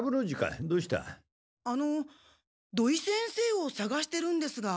あの土井先生をさがしてるんですが。